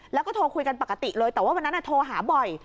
แล้วก็โทรคุยกันปกติเลยแต่ว่าวันนั้นโทรหาบ่อย